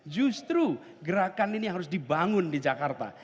justru gerakan ini harus dibangun di jakarta